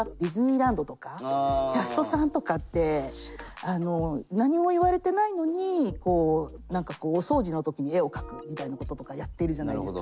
例えばキャストさんとかって何も言われてないのに何かこうお掃除の時に絵を描くみたいなこととかやってるじゃないですか。